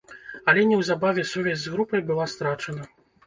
Але неўзабаве сувязь з групай была страчана.